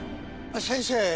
先生。